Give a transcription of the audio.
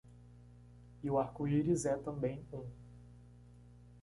E o arco-íris é também um.